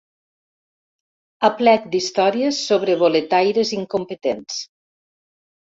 Aplec d'històries sobre boletaires incompetents.